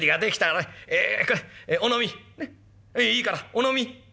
いいからおのみ」。